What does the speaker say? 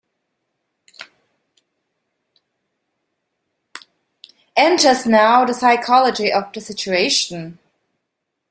Enters now the psychology of the situation.